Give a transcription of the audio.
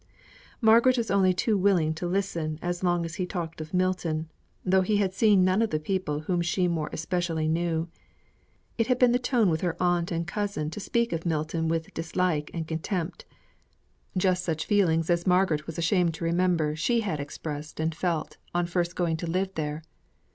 Margaret was only too willing to listen as long as he talked of Milton, though he had seen none of the people whom she more especially knew. It had been the tone with her aunt and cousin to speak of Milton with dislike and contempt; just such feelings as Margaret was ashamed to remember she had expressed and felt on first going to live there.